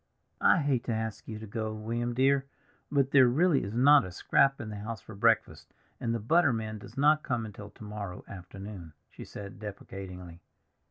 "I hate to ask you to go, William dear, but there really is not a scrap in the house for breakfast, and the butter man does not come until to morrow afternoon," she said deprecatingly.